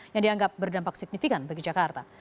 yang dianggap berdampak signifikan bagi jakarta